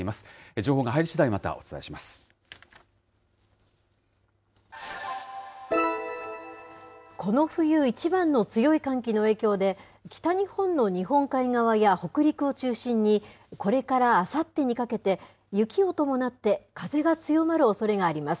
情報が入りしだい、またお伝えしこの冬一番の強い寒気の影響で、北日本の日本海側や北陸を中心に、これからあさってにかけて、雪を伴って風が強まるおそれがあります。